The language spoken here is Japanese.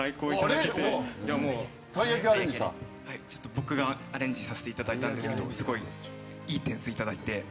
僕がアレンジさせていただいたんですがすごいいい点数いただいて。